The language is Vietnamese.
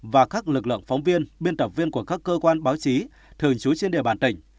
và các lực lượng phóng viên biên tập viên của các cơ quan báo chí thường trú trên địa bàn tỉnh